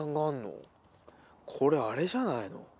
これあれじゃないの？